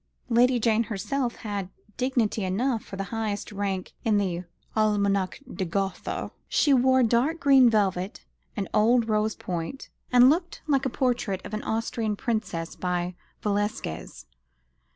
Lady Jane herself had dignity enough for the highest rank in the "Almanach de Gotha." She wore dark green velvet and old rose point, and looked like a portrait of an Austrian princess by Velasquez.